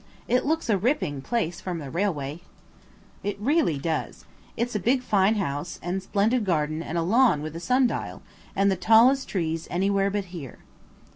It looks a ripping place from the railway." It really does. It's a fine big house, and splendid garden and a lawn with a sundial, and the tallest trees anywhere about here.